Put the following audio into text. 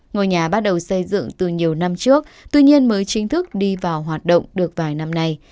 ngôi nhà bắt đầu xây dựng từ nhiều năm trước tuy nhiên mới chính thức đi vào hoạt động được vài năm nay